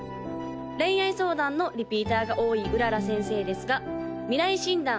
恋愛相談のリピーターが多い麗先生ですが未来診断